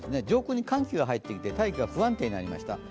上空に寒気が入ってきて大気が不安定になりました。